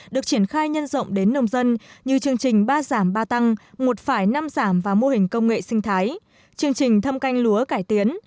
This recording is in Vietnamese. được triển khai nhân rộng đến nông dân như chương trình ba giảm ba tăng một phải năm giảm và mô hình công nghệ sinh thái chương trình thâm canh lúa cải tiến